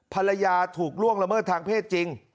ภรรยาถูกล่วงละเมิดทางเพศจริง